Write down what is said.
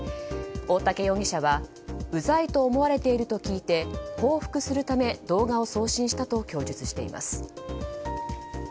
大竹容疑者はうざいと思われていると聞いて報復するため動画を送信したと供述しています。